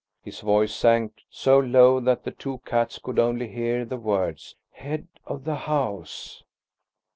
His voice sank so low that the two cats could only hear the words "head of the house."